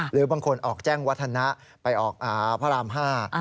หรือบางคนออกแจ้งวัฒนะไปออกพระราม๕